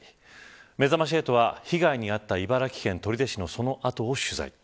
めざまし８は被害に遭った茨城県取手市のその後を取材。